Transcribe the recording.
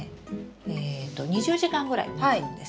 えと２０時間ぐらいもつんです。